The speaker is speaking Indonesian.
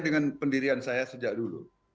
dengan pendirian saya sejak dulu